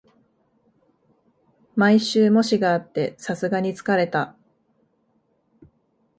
毎週、模試があってさすがに疲れた